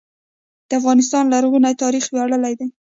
د افغانستان لرغونی تاریخ ویاړلی دی